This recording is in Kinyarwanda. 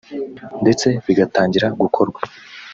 ndetse bigatangira gukorwa